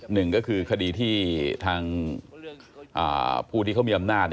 หนึ่งก็คือคดีที่ทางผู้ที่เขามีอำนาจ